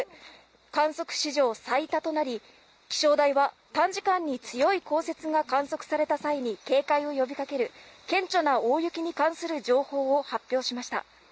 観測史上最多となり、気象台は、短時間の強い降雪が観測された際に警戒を呼びかける、顕著な大雪に関する情報を発表しました。